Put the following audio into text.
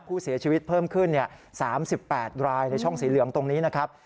ผู้เสียชีวิตเพิ่มขึ้น๓๘รายในช่องสีเหลืองตรงนี้นะครับ